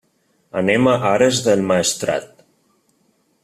Anem a Ares del Maestrat.